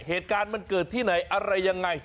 เหตุการณ์มันเกิดที่ไหนอะไรยังไง